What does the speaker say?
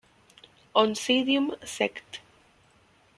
Oncidium sect.